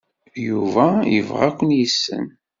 Yuba yella yebɣa ad ken-yessen.